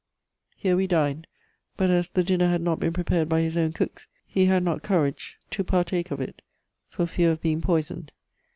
Here we dined, but as the dinner had not been prepared by his own cooks, he had not courage to partake of it, for fear of being poisoned.